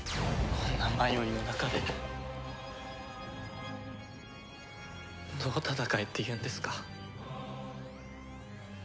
こんな迷いの中でどう戦えっていうんですか？